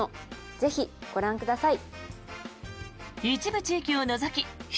ぜひご覧ください。